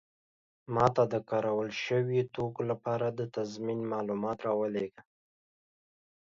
ما ته د کارول شوي توکو لپاره د تضمین معلومات راولیږئ.